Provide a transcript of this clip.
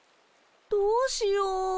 どうしよう。